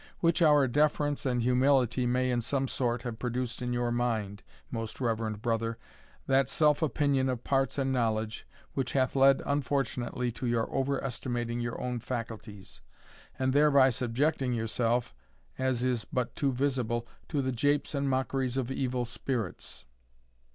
Which our deference and humility may, in some sort, have produced in your mind, most reverend brother, that self opinion of parts and knowledge, which hath led unfortunately to your over estimating your own faculties, and thereby subjecting yourself, as is but too visible, to the japes and mockeries of evil spirits.